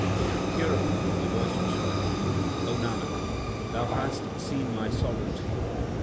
l Hereupon a voice was heard, O Nanak, thou hast seen My sovereignty.